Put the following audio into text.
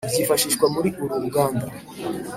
byifashishwa muri uru ruganda”